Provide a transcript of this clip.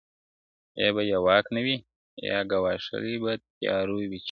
یا به یې واک نه وي یا ګواښلی به تیارو وي چي,